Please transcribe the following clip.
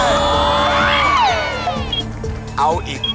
เงิน